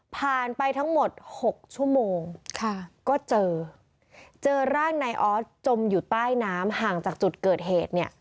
ไปทั้งหมด๖ชั่วโมงค่ะก็เจอเจอร่างนายออสจมอยู่ใต้น้ำห่างจากจุดเกิดเหตุเนี่ย